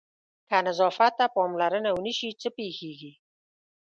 که نظافت ته پاملرنه ونه شي څه پېښېږي؟